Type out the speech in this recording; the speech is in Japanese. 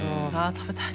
食べたい。